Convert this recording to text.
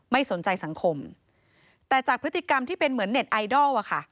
ไม่สนใจสังคมแต่จากพฤติกรรมที่เป็นเหมือนเน็ตไอดอลอะค่ะ